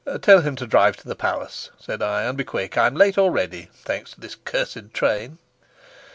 "Tell him to drive to the palace," said I, "and be quick. I'm late already, thanks to this cursed train."